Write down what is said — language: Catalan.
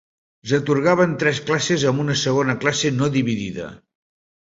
S'atorgava en tres classes amb una segona classe no dividida.